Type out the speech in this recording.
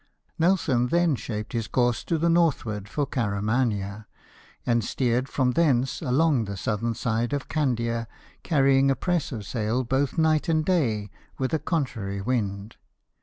Nelson then shaped his course to the northward for Caramania, and steered from thence along the southern side of Candia, carrying a press of sail both night and day, with a contrary wind.